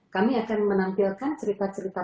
kami akan menampilkan cerita cerita